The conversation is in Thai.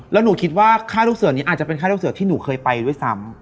แล้วหนูคิดว่าค่าลูกเสือนี้อาจจะเป็นค่าลูกเสือที่หนูเคยไปด้วยซ้ำ